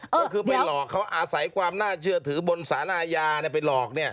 ก็คือไปหลอกเขาอาศัยความน่าเชื่อถือบนสารอาญาไปหลอก